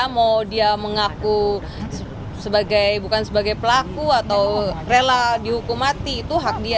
mau dia mengaku sebagai bukan sebagai pelaku atau rela dihukum mati itu hak dia